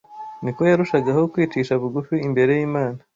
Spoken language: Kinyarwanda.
niko yarushagaho kwicisha bugufi imbere y’Imana